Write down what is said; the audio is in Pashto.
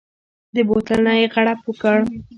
د بوتل نه يې غړپ وکړ.